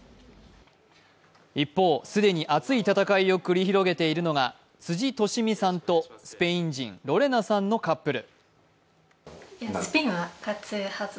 一方、既に熱い戦いを繰り広げているのが、辻利親さんとスペイン人、ロレナさんのカップル。